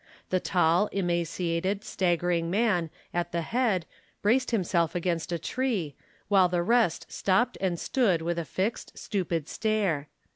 The tall, emaciated, staggering man at the head braced himself against a tree, while the rest stopped and stood with a fixed, stupid stare.